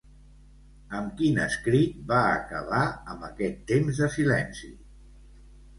Amb quin escrit va acabar amb aquest temps de silenci?